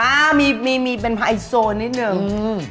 อ้าวมีเป็นไพโซนนิดหนึ่ง